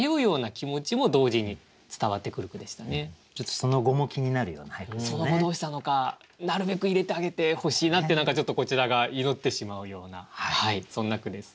その後どうしたのかなるべく入れてあげてほしいなって何かちょっとこちらが祈ってしまうようなそんな句です。